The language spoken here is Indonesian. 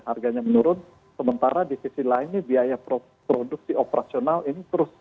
harganya menurun sementara di sisi lainnya biaya produksi operasional ini terus menurun